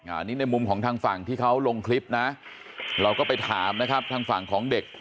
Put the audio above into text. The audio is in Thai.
อันนี้ในมุมของทางฝั่งที่เขาลงคลิปนะเราก็ไปถามนะครับทางฝั่งของเด็ก